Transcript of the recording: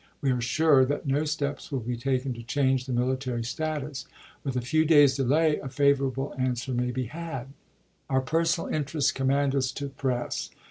We are sure that no steps will be taken to change the military status. With a few days' delay a favorable answer may be had. Our personal interests command us to press.